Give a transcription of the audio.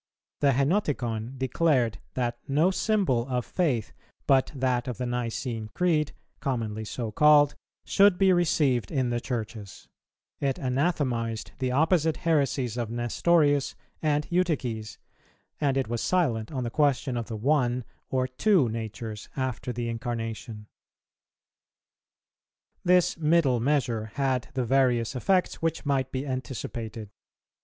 The Henoticon declared that no symbol of faith but that of the Nicene Creed, commonly so called, should be received in the Churches; it anathematized the opposite heresies of Nestorius and Eutyches, and it was silent on the question of the "One" or "Two Natures" after the Incarnation. This middle measure had the various effects which might be anticipated.